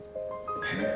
へえ。